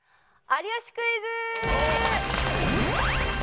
『有吉クイズ』！